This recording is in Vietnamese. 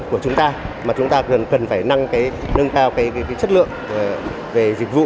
mà chúng ta cần phải nâng cao cái chất lượng về dịch vụ